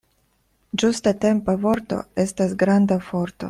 Ĝustatempa vorto estas granda forto.